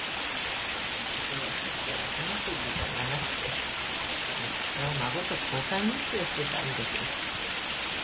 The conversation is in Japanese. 忙しくて話す時間がなくて息子は孫と交換日記をしてたんです。